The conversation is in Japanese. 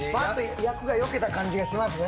厄がよけた感じがしますね。